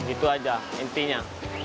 itu aja intinya